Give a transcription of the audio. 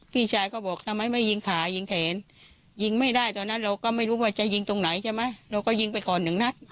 พี่ชายก็บอกทำไมไม่ยิงขายิงแขนยิงไม่ได้ตอนนั้นเราก็ไม่รู้ว่าจะยิงตรงไหนใช่ไหมเราก็ยิงไปก่อนหนึ่งนัด